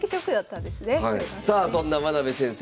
さあそんな真部先生